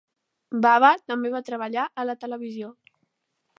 Bava també va treballar a la televisió.